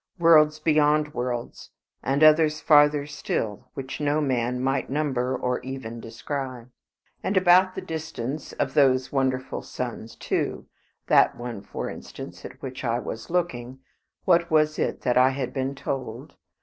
Worlds beyond worlds, and others farther still, which no man might number or even descry. And about the distance of those wonderful suns too, that one, for instance, at which I was looking, what was it that I had been told?